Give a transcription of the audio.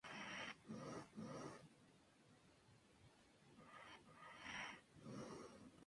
Breve demostración de este hecho.